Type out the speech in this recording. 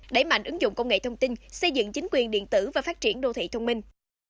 đẩy mạnh ứng dụng công nghệ thông tin xây dựng chính quyền điện tử và phát triển đô thị thông minh